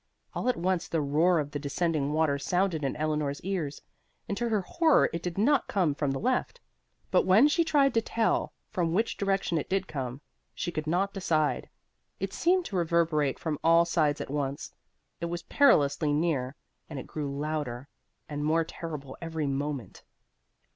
All at once the roar of the descending water sounded in Eleanor's ears, and to her horror it did not come from the left. But when she tried to tell from which direction it did come, she could not decide; it seemed to reverberate from all sides at once; it was perilously near and it grew louder and more terrible every moment.